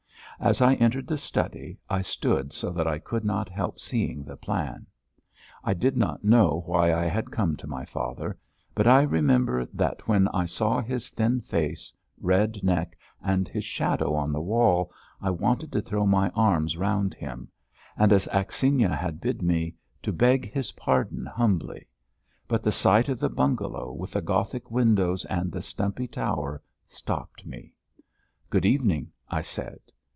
As I entered the study I stood so that I could not help seeing the plan. I did not know why I had come to my father, but I remember that when I saw his thin face, red neck, and his shadow on the wall, I wanted to throw my arms round him and, as Akhsinya had bid me, to beg his pardon humbly; but the sight of the bungalow with the Gothic windows and the stumpy tower stopped me. "Good evening," I said.